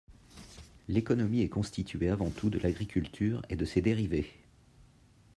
L'économie est constituée avant tout de l'agriculture et de ses dérivés.